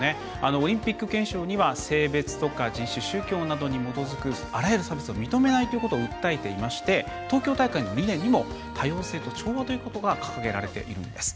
オリンピック憲章には性別とか人種、宗教などに基づくあらゆる差別を認めないということを訴えていまして東京大会の理念にも多様性と調和ということが掲げられているんです。